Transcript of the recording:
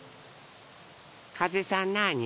かぜさんなあに？